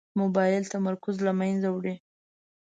موبایل د تمرکز له منځه وړي.